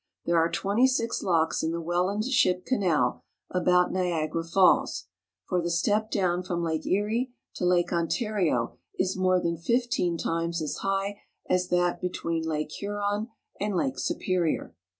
There are twenty six locks in the Welland Ship Canal about Nia gara Falls, for the step down from Lake Erie to Lake Ontario is more than fifteen times as high as that be tween Lake Huron and Lake Superior.